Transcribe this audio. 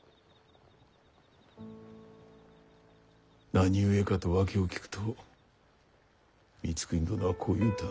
何故かと訳を聞くと光圀殿はこう言うた。